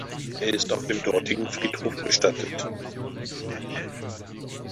Er ist auf dem dortigen Friedhof bestattet.